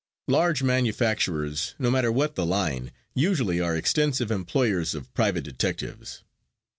Large manufacturers, no matter what the line, usually are extensive employers of private detectives.